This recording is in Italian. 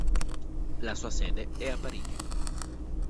La sua sede è a Parigi.